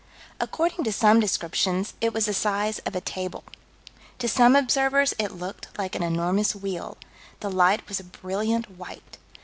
According to some descriptions it was the size of a table. To some observers it looked like an enormous wheel. The light was a brilliant white.